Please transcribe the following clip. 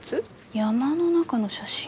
山の中の写真？